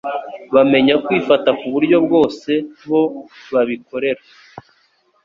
bamenya kwifata ku buryo bwose. Bo babikorera